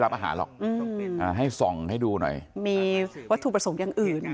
รับอาหารหรอกให้ส่งให้ดูหน่อยมีวัตถุประสงค์อย่างอื่น